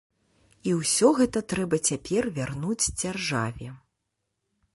І ўсё гэта трэба цяпер вярнуць дзяржаве.